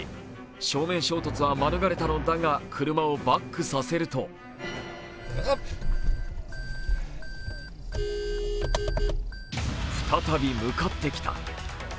正面衝突は免れたのだが、車をバックさせると再び向かってきた。